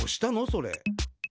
それ。